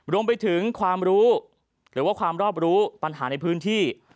รวมไปถึงความรู้หรือว่าความรอบรู้ปัญหาในพื้นที่